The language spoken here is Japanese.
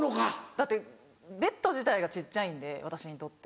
だってベッド自体が小っちゃいんで私にとって。